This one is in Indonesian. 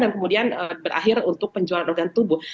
dan kemudian berakhir untuk penjualan organ tubuh